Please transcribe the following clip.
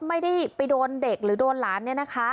ไม่ได้ไปโดนเด็กหรือโดนหลาน